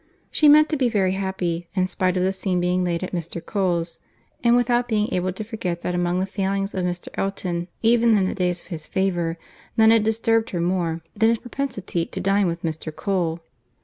She meant to be very happy, in spite of the scene being laid at Mr. Cole's; and without being able to forget that among the failings of Mr. Elton, even in the days of his favour, none had disturbed her more than his propensity to dine with Mr. Cole.